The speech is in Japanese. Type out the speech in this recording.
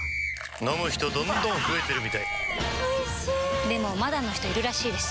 飲む人どんどん増えてるみたいおいしでもまだの人いるらしいですよ